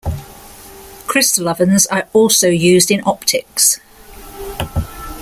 Crystal ovens are also used in optics.